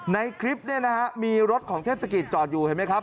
ในคลิปเนี่ยนะฮะมีรถของเทศกิจจอดอยู่เห็นไหมครับ